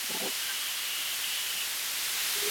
ايوب مايوس دی او خوشال يې پر څنگل ژاړي